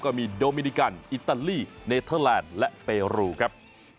ก็มีโดมินิกันอิตาลีเนเทอร์แลนด์และเปรูครับ